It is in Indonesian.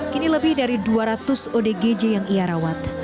kini lebih dari dua ratus odgj yang ia rawat